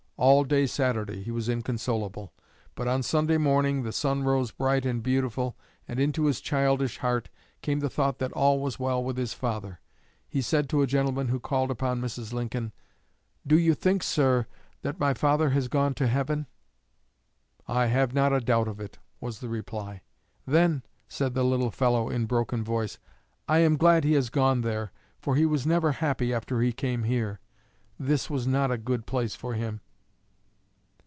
All day Saturday he was inconsolable, but on Sunday morning the sun rose bright and beautiful and into his childish heart came the thought that all was well with his father. He said to a gentleman who called upon Mrs. Lincoln, "Do you think, sir, that my father has gone to heaven?" "I have not a doubt of it," was the reply. "Then," said the little fellow in broken voice, "I am glad he has gone there, for he was never happy after he came here. This was not a good place for him!"